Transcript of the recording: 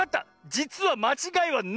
じつはまちがいはない！